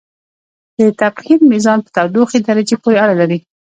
د تبخیر میزان په تودوخې درجې پورې اړه لري.